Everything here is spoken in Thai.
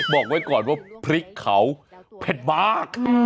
บอกไว้ก่อนว่าพริกเขาเผ็ดมาก